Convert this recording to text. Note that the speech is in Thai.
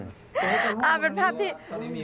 คุณคิตตี้ก็ไม่รู้อะ